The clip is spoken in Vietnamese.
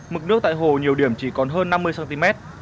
mực nước tại hồ nhiều điểm chỉ còn hơn năm mươi cm